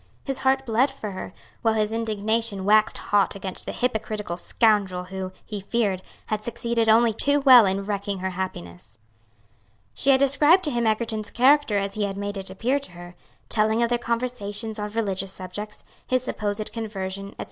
His heart bled for her, while his indignation waxed hot against the hypocritical scoundrel who, he feared, had succeeded only too well in wrecking her happiness. She had described to him Egerton's character as he had made it appear to her, telling of their conversations on religious subjects, his supposed conversion, etc.